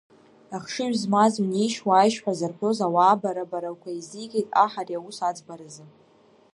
Ахшыҩ змаз, унеишь-уааишь ҳәа зарҳәоз ауаа бара, барақәа еизигеит аҳ ари аус аӡбаразы.